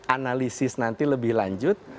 analisis nanti lebih lanjut